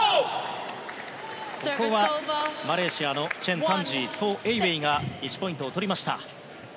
ここはマレーシアのチェン・タンジートー・エーウェイが１ポイントを取りました。